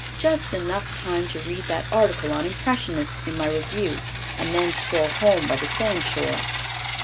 "Just enough time to read that article on impressionists in my review and then stroll home by the sandshore."